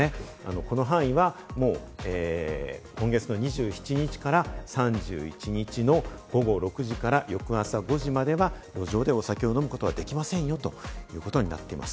この範囲は今月の２７日から３１日の午後６時から翌朝５時までは路上で、お酒を飲むことはできませんよということになっています。